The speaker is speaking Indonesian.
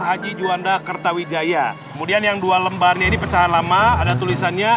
haji juanda kertawijaya kemudian yang dua lembarnya ini pecahan lama ada tulisannya